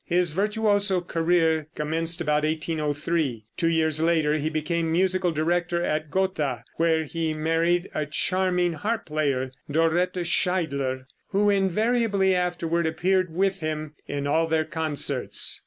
His virtuoso career commenced about 1803. Two years later he became musical director at Gotha, where he married a charming harp player, Dorette Scheidler, who invariably afterward appeared with him in all their concerts.